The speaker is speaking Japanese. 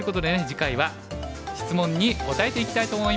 次回は質問に答えていきたいと思います。